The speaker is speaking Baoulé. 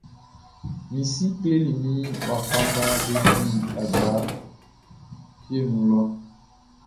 Mi si kleli min wafa nga be di agba fieʼn nun lɔʼn.